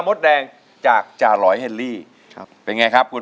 เป็นความดีใจ